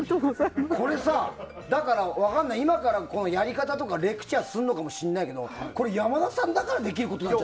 これさ、今からやり方とかレクチャーするのかもしれないけど山田さんだからできることだよ。